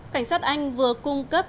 cảnh sát anh vừa cung cấp